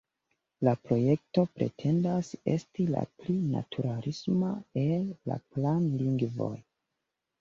La projekto pretendas esti la pli naturalisma el la planlingvoj.